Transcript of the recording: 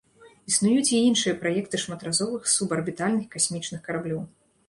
Існуюць і іншыя праекты шматразовых субарбітальных касмічных караблёў.